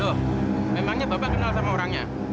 oh memangnya bapak kenal sama orangnya